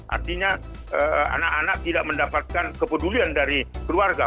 artinya anak anak tidak mendapatkan kepedulian dari keluarga